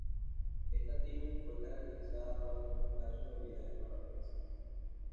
Esta tribu fue caracterizada por mejorar sus habilidades para la caza.